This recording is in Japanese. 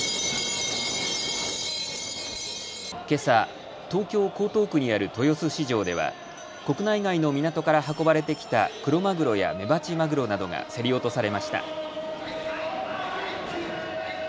けさ東京江東区にある豊洲市場では国内外の港から運ばれてきたクロマグロやメバチマグロなどが競り落とされました。